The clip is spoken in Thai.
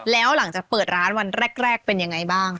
แล้วหลังจากเปิดร้านวันแรกเป็นยังไงบ้าง